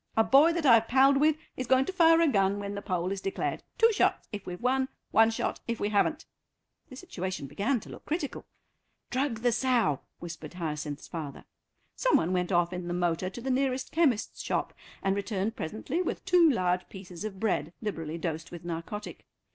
A boy that I've palled with is going to fire a gun when the poll is declared; two shots if we've won, one shot if we haven't." The situation began to look critical. "Drug the sow," whispered Hyacinth's father. Some one went off in the motor to the nearest chemist's shop and returned presently with two large pieces of bread, liberally dosed with narcotic.